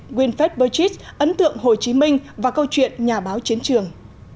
nguyên phép bơ chít ấn tượng hồ chí minh và câu chuyện nhà báo chiến trường